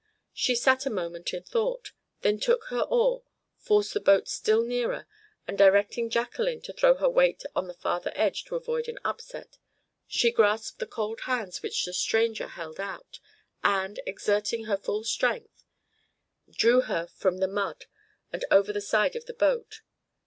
She sat a moment in thought; then she took her oar, forced the boat still nearer, and, directing Jacqueline to throw her weight on the farther edge to avoid an upset, she grasped the cold hands which the stranger held out, and, exerting her full strength, drew her from the mud and over the side of the boat.